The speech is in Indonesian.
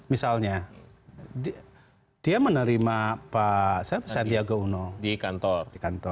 misalnya dia menerima pak sandiaga uno di kantor